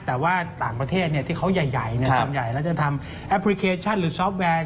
แต่ว่าต่างประเทศที่เขาใหญ่ส่วนใหญ่เราจะทำแอปพลิเคชันหรือซอฟต์แวร์